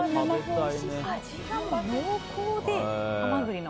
味が濃厚で、ハマグリの。